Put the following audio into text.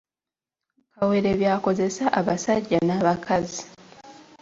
Kawere by’akozesa abasajja n’abakazi